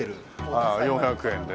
ああ４００円でね。